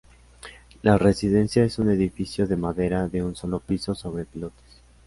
La residencia es un edificio de madera de un solo piso sobre pilotes.